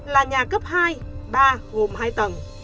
là nhà cấp hai ba gồm hai tầng